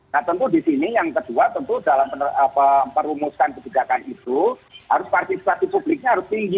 nah tentu di sini yang kedua tentu dalam perumuskan kebijakan itu harus partisipasi publiknya harus tinggi